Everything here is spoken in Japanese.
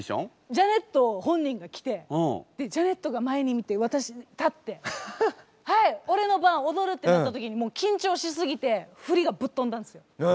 ジャネット本人が来てジャネットが前にいて私立ってはいオレの番踊るってなった時にもう緊張しすぎて振りがぶっ飛んだんですよ。